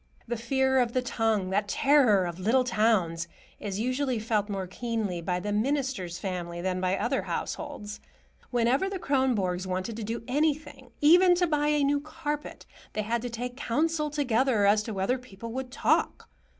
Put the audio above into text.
The fear of the tongue, that terror of little towns, is usually felt more keenly by the minister's family than by other households. Whenever the Kronborgs wanted to do anything, even to buy a new carpet, they had to take counsel together as to whether people would talk.